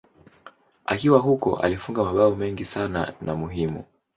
Akiwa huko alifunga mabao mengi sana na muhimu.